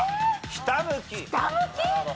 「ひたむき」！？